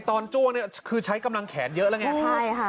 ตอนจ้วงคือใช้กำลังแขนเยอะแล้วไงใช่ค่ะ